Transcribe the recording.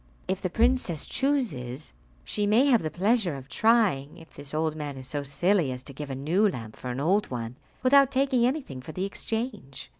If the princess chooses, she may have the pleasure of trying if this old man is so silly as to give a new lamp for an old one, without taking anything for the exchange."